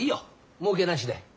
もうけなしで。